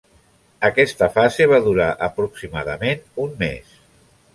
Aquesta fase va durar aproximadament un mes.